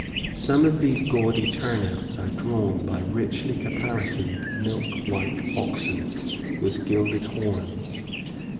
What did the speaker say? Some of these gaudy turn outs are drawn by richly caparisoned, milk white oxen, with gilded horns.